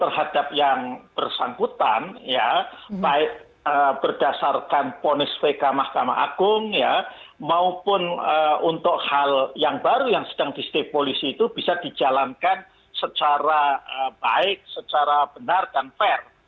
terhadap yang bersangkutan ya baik berdasarkan ponis vk mahkamah agung ya maupun untuk hal yang baru yang sedang di state polisi itu bisa dijalankan secara baik secara benar dan fair